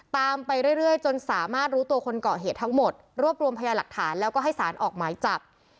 ไปเรื่อยจนสามารถรู้ตัวคนเกาะเหตุทั้งหมดรวบรวมพยาหลักฐานแล้วก็ให้สารออกหมายจับ